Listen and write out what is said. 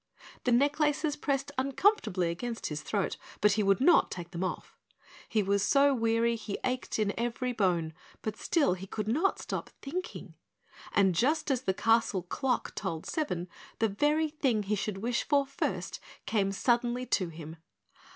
The necklaces pressed uncomfortably against his throat, but he would not take them off. He was so weary he ached in every bone, but still he could not stop thinking, and just as the castle clock tolled seven the very thing he should wish for first came suddenly to him.